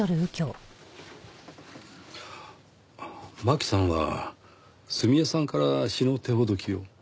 マキさんは澄江さんから詩の手ほどきを？